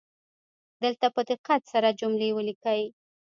دلته په دقت سره جملې ولیکئ